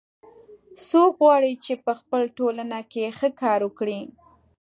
څوک غواړي چې په خپل ټولنه کې ښه کار وکړي